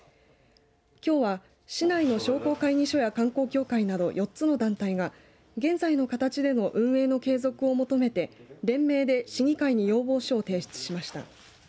きょうは市内の商工会議所や観光協会など４つの団体が現在の形での運営の継続を求めて連名で、市議会に要望書を提出しました。